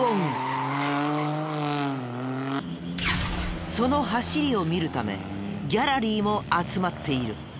その走りを見るためギャラリーも集まっている。